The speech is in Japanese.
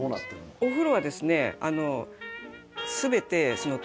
お風呂はですねああ。